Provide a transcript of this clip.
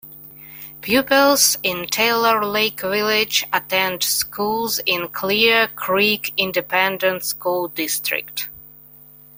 Pupils in Taylor Lake Village attend schools in Clear Creek Independent School District.